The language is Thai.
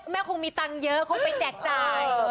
แม่คงมีเงินเยอะเขาไปแจกจ่าย